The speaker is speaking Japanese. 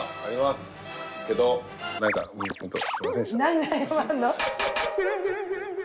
何で謝るの？